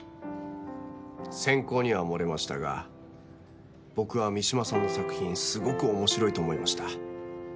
選考には漏れましたが僕は三嶋さんの作品すごく面白いと思いました。